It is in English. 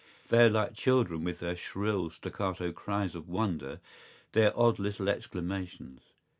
¬Ý They are like children with their shrill staccato cries of wonder, their odd little exclamations.